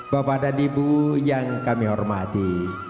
bapak dan ibu yang kami hormati